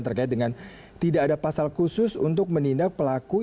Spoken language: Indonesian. terkait dengan tidak ada pasal khusus untuk menindak pelaku